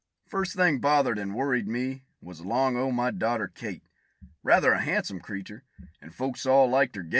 First thing bothered and worried me, was 'long o' my daughter Kate; Rather a han'some cre'tur', and folks all liked her gait.